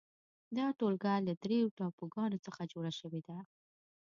دا ټولګه له درېو ټاپوګانو څخه جوړه شوې ده.